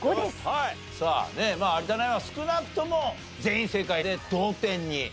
さあ有田ナインは少なくとも全員正解で同点に。